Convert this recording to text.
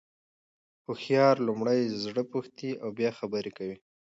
هوښیار لومړی زړه پوښتي او بیا خبري کوي.